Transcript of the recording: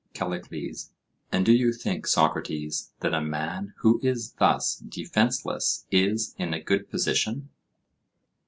CALLICLES: And do you think, Socrates, that a man who is thus defenceless is in a good position?